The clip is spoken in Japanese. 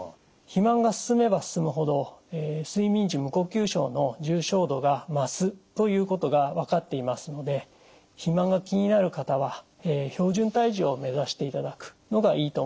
肥満が進めば進むほど睡眠時無呼吸症の重症度が増すということが分かっていますので肥満が気になる方は標準体重を目指していただくのがいいと思います。